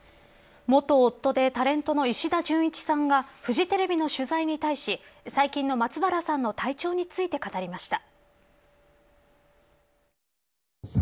元夫でタレントの石田純一さんがフジテレビの取材に対し最近の松原さんの体調について語りました。